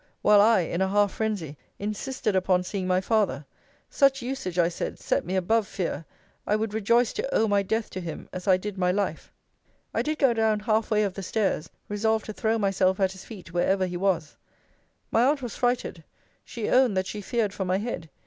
While I, in a half phrensy, insisted upon seeing my father; such usage, I said, set me above fear. I would rejoice to owe my death to him, as I did my life. I did go down half way of the stairs, resolved to throw myself at his feet wherever he was. My aunt was frighted. She owned, that she feared for my head.